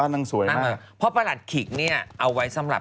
แล้วนางเขาเอาไปเก็บเหรอ